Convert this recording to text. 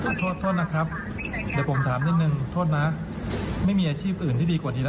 ก็ไม่แค่ถามเขาอยากจะเรียกโทษนะครับ